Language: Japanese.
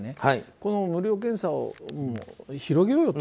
この無料検査を広げようよと。